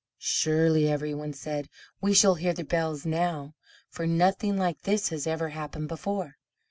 "Surely," every one said, "we shall hear the bells now, for nothing like this has ever happened before."